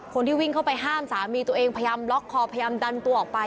คนที่วิ่งเข้าไปห้ามสามีตัวเองพยายามล็อกคอพยายามดันตัวออกไป